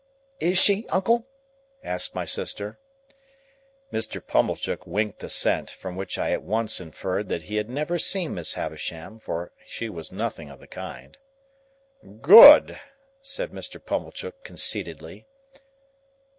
"Is she, uncle?" asked my sister. Mr. Pumblechook winked assent; from which I at once inferred that he had never seen Miss Havisham, for she was nothing of the kind. "Good!" said Mr. Pumblechook conceitedly.